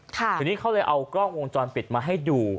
ทีนี้เขาเลยเอากล้องวงจรปิดมาให้ดู